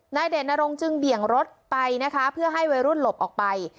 นายเด่นนรงจึงเบี่ยงรถไปเพื่อให้วัยรุ่นหลบออกไป